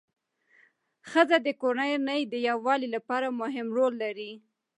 ښځه د کورنۍ د یووالي لپاره مهم رول لري